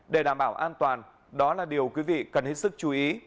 để đảm bảo an toàn đó là điều quý vị cần hết sức chú ý